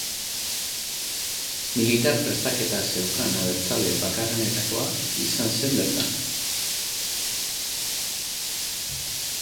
Militar prestaketa zeukan abertzale bakarrenetakoa izan zen bertan.